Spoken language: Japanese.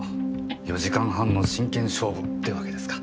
４時間半の真剣勝負ってわけですか。